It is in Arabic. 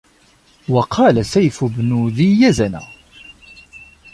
وَقَالَ سَيْفُ بْنُ ذِي يَزَنَ